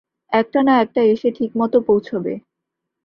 একটা না একটা এসে ঠিকমতন পৌঁছবে।